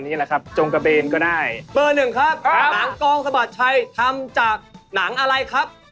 ที่วัดครับผมวัดครับที่วัดคำตอบนะครับ